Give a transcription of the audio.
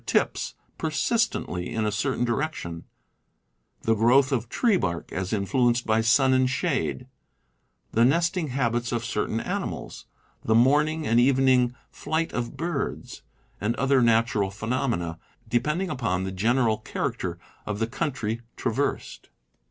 20i5 tips persistently in a certain direction, the growth of tree bark as influenced by sun and shade, the nesting habits of certain animals, the morning and evening flight of birds, and other natural phenomena, depend ing upon the general character of the country traversed.